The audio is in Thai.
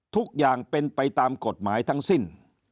ทุกอย่างเป็นไปตามกฎหมายทั้งสิ้น